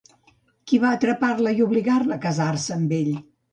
Qui va atrapar-la i obligar-la a casar-se amb ell?